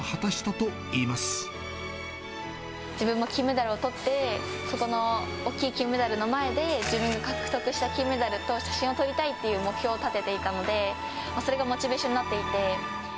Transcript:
自分も金メダルをとって、そこの大きい金メダルの前で、自分が獲得した金メダルと写真を撮りたいっていう目標を立てていたので、それがモチベーションになっていて。